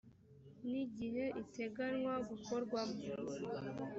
n igihe iteganywa gukorwamo